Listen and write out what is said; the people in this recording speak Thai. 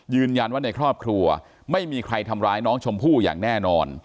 ในครอบครัวไม่มีใครทำร้ายน้องชมพู่อย่างแน่นอน